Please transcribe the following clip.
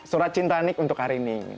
surat cinta nick untuk arini